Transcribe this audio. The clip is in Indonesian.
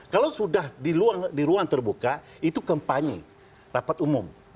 kalau sudah di ruang terbuka itu kampanye rapat umum